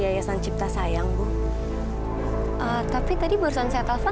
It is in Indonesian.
ya ampun dara